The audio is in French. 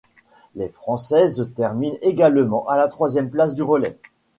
Les Françaises terminent également à la troisième place du relais.